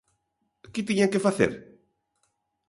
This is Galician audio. ¿Que tiñan que facer?